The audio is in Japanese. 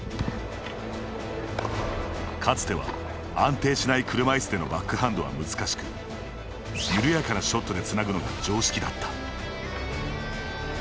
かつては、安定しない車いすでのバックハンドは難しくゆるやかなショットでつなぐのが常識だった。